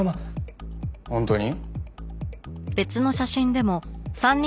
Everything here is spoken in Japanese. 本当に？